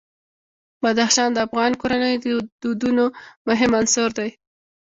بدخشان د افغان کورنیو د دودونو مهم عنصر دی.